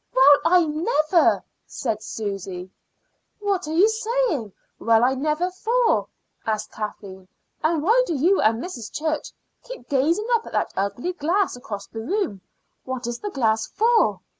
"Well, I never!" said Susy. "What are you saying, 'Well, I never!' for?" asked Kathleen. "And why do you and Mrs. Church keep gazing up at that ugly glass across the room? What is the glass for?"